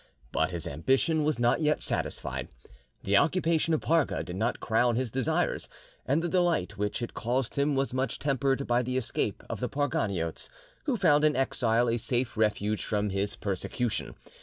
But his ambition was not yet satisfied. The occupation of Parga did not crown his desires, and the delight which it caused him was much tempered by the escape of the Parganiotes, who found in exile a safe refuge from his persecution.